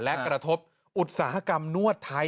และกระทบอุตสาหกรรมนวดไทย